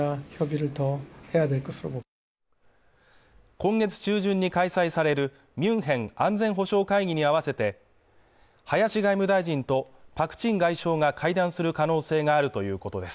今月中旬に開催されるミュンヘン安全保障会議に合わせて林外務大臣とパク・チン外相が会談する可能性があるということです